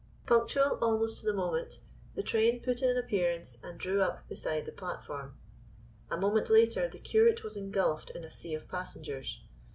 Punctual almost to the moment the train put in an appearance and drew up beside the platform. A moment later the curate was engulfed in a sea of passengers.